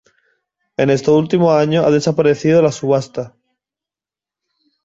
En estos últimos años ha desaparecido la subasta.